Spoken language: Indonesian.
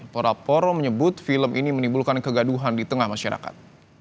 pora poro menyebut film ini menimbulkan kegaduhan di tengah masyarakat